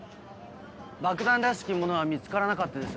爆弾らしきものは見つからなかったです